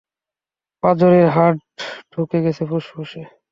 পাঁজরের হাড় ঢুকে গেছে ফুসফুসে।